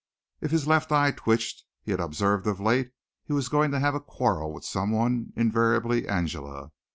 If his left eye twitched he had observed of late he was going to have a quarrel with someone invariably Angela.